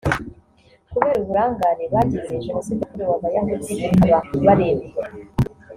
kubera uburangare bagize jenoside yakorewe Abayahudi ikaba barebera